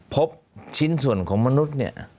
พบชิ้นส่วนของมนุษย์เนี่ย